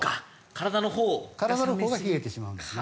体のほうが冷えてしまうんです。